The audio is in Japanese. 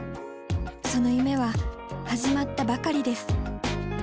その夢は始まったばかりです。